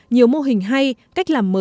nhiều mô hình hay cách làm mới hiệu quả